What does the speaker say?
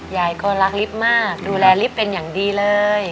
ยายก็รักลิฟต์มากดูแลลิฟต์เป็นอย่างดีเลย